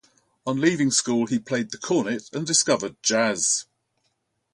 On leaving school he played the cornet and discovered jazz.